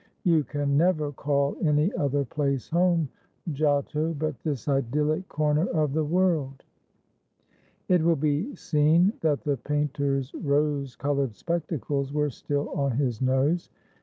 You can never call any other place home, Giotto, but this idyllic corner of the world!" It will be seen that the painter's rose colored spectacles were still on his nose.